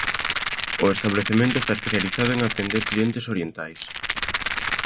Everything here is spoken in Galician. O establecemento está especializado en atender clientes orientais.